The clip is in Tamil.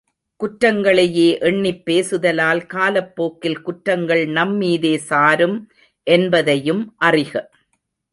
குற்றங்களையே எண்ணிப் பேசுதலால் காலப் போக்கில் குற்றங்கள் நம் மீதே சாரும் என்பதையும் அறிக!